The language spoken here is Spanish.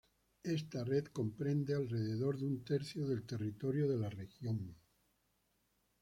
Esta red de comprenden alrededor de un tercio del territorio de la región.